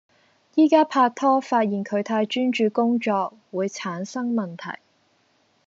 而家拍拖發現佢太專注工作會產生問題